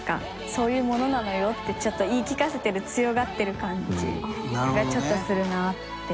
「そういうものなのよ」ってちょっと言い聞かせてる強がってる感じがちょっとするなって。